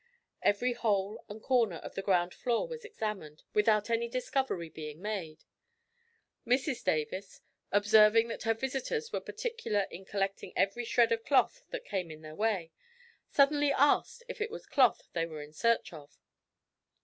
Every hole and corner of the ground floor was examined without any discovery being made. Mrs Davis, observing that her visitors were particular in collecting every shred of cloth that came in their way, suddenly asked if it was cloth they were in search of.